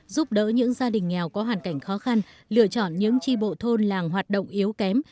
giúp đỡ những gia đình nghèo có hoàn cảnh khó khăn lựa chọn những chi bộ thôn làng hoạt động yếu kém